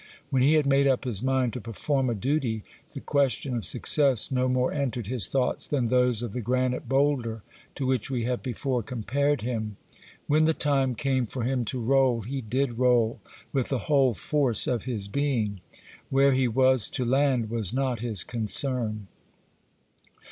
When he had made up his mind to perform a duty, the question of success no more entered his thoughts than those of the granite boulder to which we have before compared him. When the time came for him to roll, he did roll with the whole force of his being;—where he was to land was not his concern.